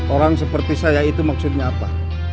orang seperti saya itu maksudnya apa